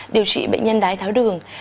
điều trị bệnh nhân đái tháo đường